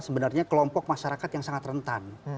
sebenarnya kelompok masyarakat yang sangat rentan